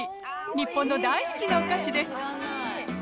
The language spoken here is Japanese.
日本の大好きなお菓子です。